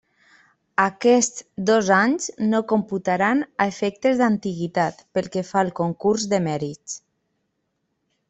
Aquests dos anys no computaran a efectes d'antiguitat pel que fa al concurs de mèrits.